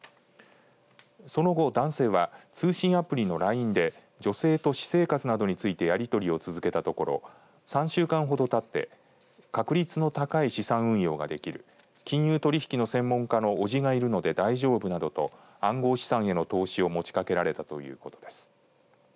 その後、男性は通信アプリのＬＩＮＥで女性と私生活などについてやり取りを続けたところ３週間ほど経って確率の高い資産運用ができる金融取引の専門家のおじがいるので大丈夫などと暗号資産への投資を持ちかけられたということです。